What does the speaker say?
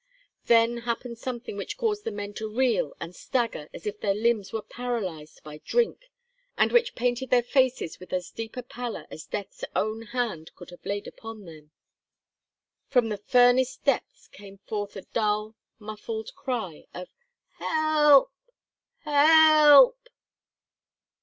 Then happened something which caused the men to reel and stagger as if their limbs were paralyzed by drink, and which painted their faces with as deep a pallor as death's own hand could have laid upon them. From the furnace depths came forth a dull, muffled cry of "Help! Help!"